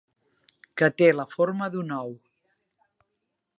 Que té la forma d'un ou.